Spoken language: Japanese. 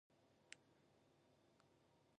どうして飛行機は、あんなに重いのに空を飛べるんだろう。